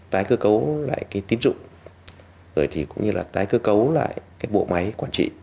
tái cơ cấu lại cái tín dụng rồi thì cũng như là tái cơ cấu lại cái bộ máy quản trị